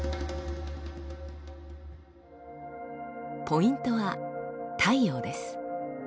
ポイントは太陽です。